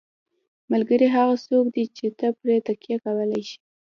ملګری هغه څوک دی چې ته پرې تکیه کولی شې.